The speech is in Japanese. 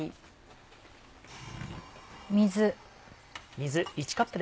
水。